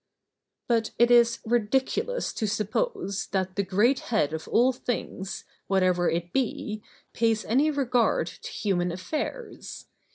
But it is ridiculous to suppose, that the great head of all things, whatever it be, pays any regard to human affairs.